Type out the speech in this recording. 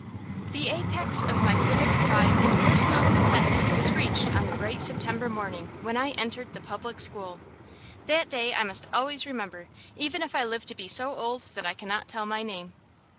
The apex of my civic pride and personal contentment was reached on the bright September morning when I entered the public school. That day I must always remember, even if I live to be so old that I cannot tell my name.